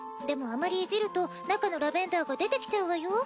でもあまりいじると中のラベンダーが出てきちゃうわよ。